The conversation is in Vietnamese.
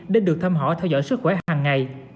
để được thăm hỏi theo dõi sức khỏe hàng ngày